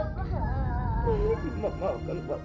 kita semua baunya bersendara